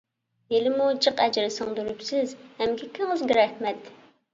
ھېلىمۇ جىق ئەجىر سىڭدۈرۈپسىز، ئەمگىكىڭىزگە رەھمەت!